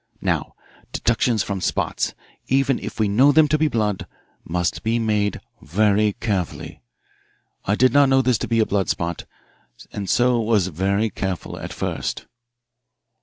Now, deductions from spots, even if we know them to be blood, must be made very carefully. I did not know this to be a blood spot, and so was very careful at first.